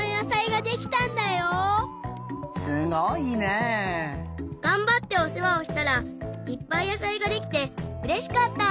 がんばっておせわをしたらいっぱい野さいができてうれしかった！